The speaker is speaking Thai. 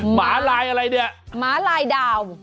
หมาลายอะไรเนี่ยหมาลายดาว